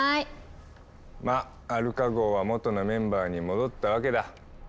まっアルカ号は元のメンバーに戻ったわけだ。